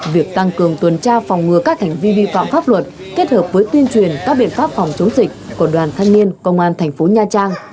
việc tăng cường tuần tra phòng ngừa các hành vi vi phạm pháp luật kết hợp với tuyên truyền các biện pháp phòng chống dịch của đoàn thanh niên công an thành phố nha trang